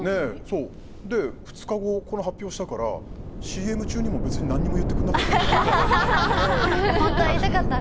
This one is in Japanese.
２日後、この発表したからＣＭ中にも別に何も言ってくれなかったなって。